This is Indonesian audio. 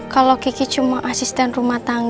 kalau kiki cuma asisten rumah tangga